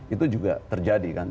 itu juga terjadi kan